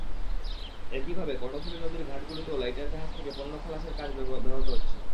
একইভাবে কর্ণফুলী নদীর ঘাটগুলোতেও লাইটার জাহাজ থেকে পণ্য খালাসের কাজ ব্যাহত হচ্ছে।